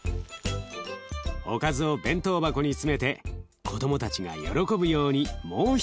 おかずを弁当箱に詰めて子どもたちが喜ぶようにもう一工夫。